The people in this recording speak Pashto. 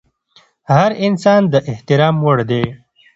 هر انسان د احترام وړ دی.